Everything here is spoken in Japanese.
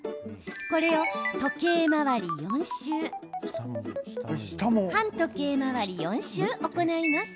これを時計回り４周反時計回り４周行います。